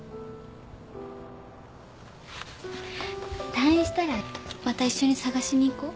退院したらまた一緒に探しに行こう。